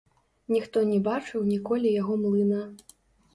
Ніхто не бачыў ніколі яго млына.